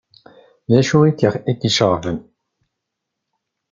D acu i k-iceɣben?